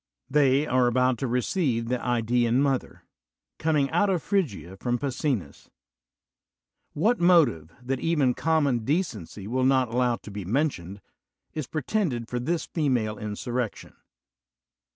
They are about to receive the Idasan Mother, coming out of Phrygia from Pessinus. What motive, that even common decency will 18 CATO THE CENSOR not allow to be mentioned, is pretended for this female insurrection?